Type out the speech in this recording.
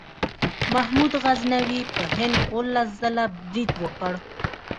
محمود غزنوي په هند اوولس ځله برید وکړ.